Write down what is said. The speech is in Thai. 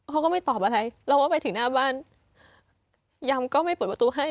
เขาก็ไม่ตอบอะไรเราก็ไปถึงหน้าบ้านยำก็ไม่เปิดประตูให้